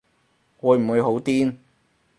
會唔會好癲